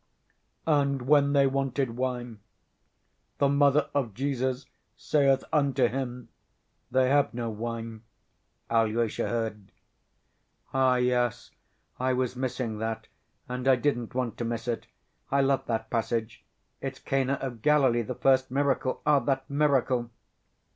"And when they wanted wine, the mother of Jesus saith unto him, They have no wine" ... Alyosha heard. "Ah, yes, I was missing that, and I didn't want to miss it, I love that passage: it's Cana of Galilee, the first miracle.... Ah, that miracle!